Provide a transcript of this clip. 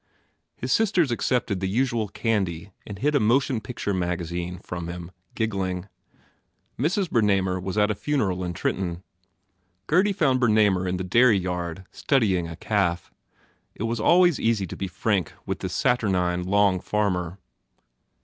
His sisters accepted the usual candy and hid a motion picture magazine from him, giggling. Mrs. Bernamer was at a funeral in Trenton. Gurdy found Bernamer in the dairy yard studying a calf. It was always easy to be frank with the saturnine, long farmer.